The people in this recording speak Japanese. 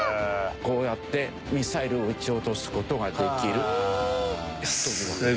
こうやってミサイルを撃ち落とす事ができるというわけですね。